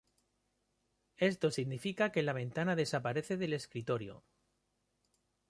Esto significa que la ventana desaparece del escritorio.